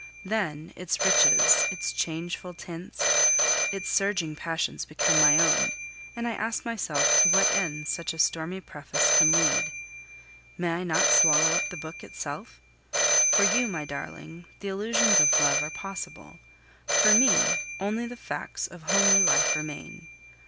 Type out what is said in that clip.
Then, its riches, its changeful tints, its surging passions become my own, and I ask myself to what end such a stormy preface can lead. May I not swallow up the book itself? For you, my darling, the illusions of love are possible; for me, only the facts of homely life remain.